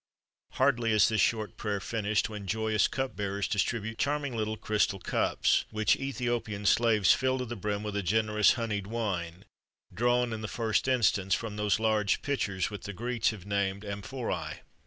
[XXXV 34] Hardly is this short prayer finished when joyous cup bearers distribute charming little crystal cups,[XXXV 35] which Æthiopian slaves[XXXV 36] fill to the brim with a generous, honeyed wine, drawn, in the first instance, from those large pitchers which the Greeks have named amphoræ.